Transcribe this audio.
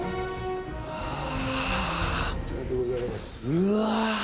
うわ。